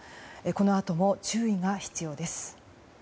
このあとも注意が必要です。